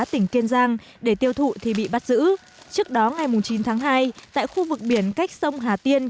tỉnh kiên giang để tiêu thụ thì bị bắt giữ trước đó ngày chín tháng hai tại khu vực biển cách sông hà tiên